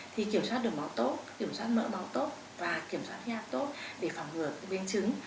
thì kiểm soát được máu tốt kiểm soát mỡ máu tốt và kiểm soát tốt để phòng ngừa biến chứng